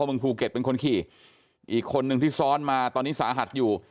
เมืองภูเก็ตเป็นคนขี่อีกคนนึงที่ซ้อนมาตอนนี้สาหัสอยู่